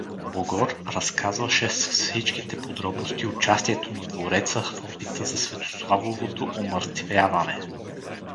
Богор разказваше с всичките подробности участието на двореца в опита за Светославовото умъртвяване.